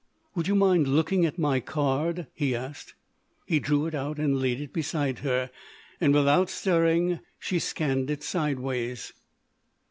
"Would you mind looking at my card?" he asked. He drew it out and laid it beside her, and without stirring she scanned it sideways.